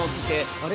あれ？